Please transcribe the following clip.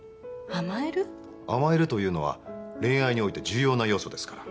甘えるというのは恋愛において重要な要素ですから。